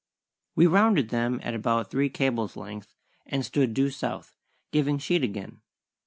We rounded them at about three cables' length and stood due south, giving sheet again.